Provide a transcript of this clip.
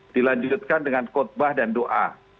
dilanjutkan dengan khutbah dan doa